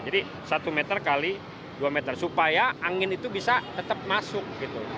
jadi satu meter kali dua meter supaya angin itu bisa tetap masuk gitu